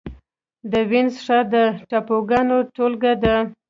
د وينز ښار د ټاپوګانو ټولګه ده.